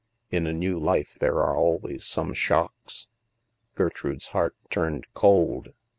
In a new life there are always some shocks/' Gertrude's heart turned cold.